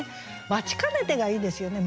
「待ち兼ねて」がいいですよね